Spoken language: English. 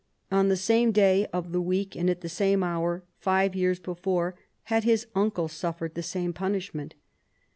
On the same day of the week and at the same hour, five years before, had his uncle suffered the same punishment.